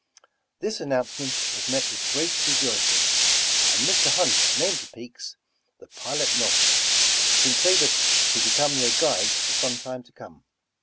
This an nouncement was met with great rejoicing, and Mr. Hunt named the peaks the ''Pilot Knobs," since they were to become their guides for some time to come.